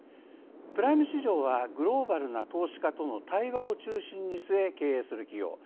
プライム市場はグローバルな投資家との対話を中心に据え経営する企業。